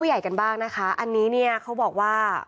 ใหญ่กันบ้างนะคะอันนี้เนี่ยเขาบอกว่า